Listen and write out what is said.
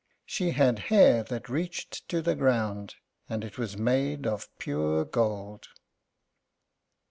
She had hair that reached to the ground, and it was made of pure gold.